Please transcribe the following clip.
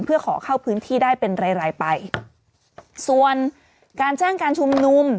เพื่อขอเข้าพื้นที่ได้เป็นรายรายไปส่วนการแจ้งการชุมนุม